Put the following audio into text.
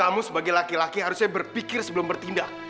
kamu sebagai laki laki harusnya berpikir sebelum bertindak